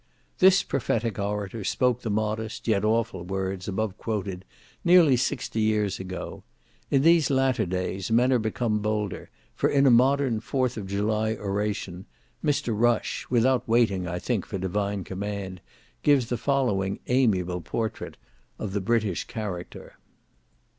This prophetic orator spoke the modest, yet awful words, above quoted, nearly sixty years ago; in these latter days men are become bolder, for in a modern 4th of July oration, Mr. Rush, without waiting, I think, for Divine command, gives the following amiable portrait of the British character.